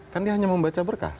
kan dia hanya membaca berkas